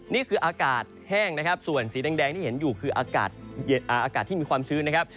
นี่คืออากาศแห้งนะครับส่วนสีแดงที่เห็นอยู่คืออากาศที่มีความชื้นนะครับ